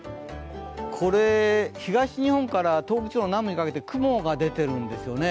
東日本から東北地方南部にかけて雲が出てるんですよね。